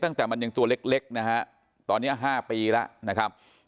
ตั้งแต่มันยังตัวเล็กนะฮะตอนนี้๕ปีแล้วนะครับ